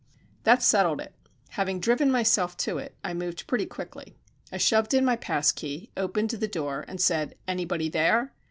That settled it. Having driven myself to it, I moved pretty quickly. I shoved in my pass key, opened the door, and said "Anybody there?"